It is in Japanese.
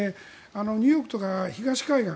ニューヨークとか東海岸